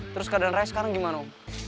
terus keadaan raya sekarang gimana